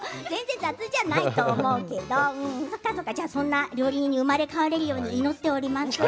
全然雑じゃないと思うけどそんな料理人に生まれ変われるように祈っております。